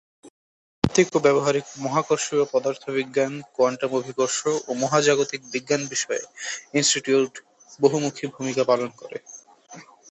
তাত্ত্বিক ও ব্যবহারিক মহাকর্ষীয় পদার্থবিজ্ঞান, কোয়ান্টাম অভিকর্ষ ও মহাজাগতিক বিজ্ঞান বিষয়ে ইনস্টিটিউট বহুমুখী ভূমিকা পালন করে।